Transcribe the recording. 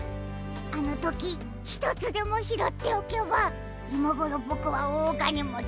あのときひとつでもひろっておけばいまごろぼくはおおがねもちに。